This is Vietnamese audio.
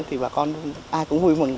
thì bà con ai cũng vui mừng